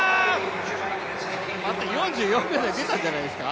４４秒台、出たんじゃないですか？